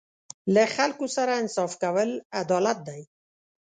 له خلکو سره انصاف کول عدالت دی.